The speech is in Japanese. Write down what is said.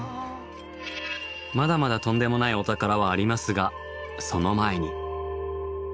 まだまだとんでもないお宝はありますがその前に。